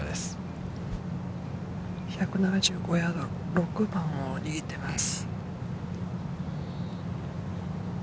１７５ヤード、６番を握ってます。